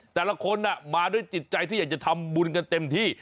แต่ละคนมาด้วยจิตใจที่อยากจะทำบุญกันเต็มที่